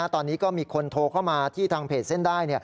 ตอนนี้ก็มีคนโทรเข้ามาที่ทางเพจเส้นได้